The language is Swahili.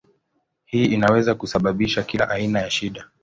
Hii inaweza kusababisha kila aina ya shida.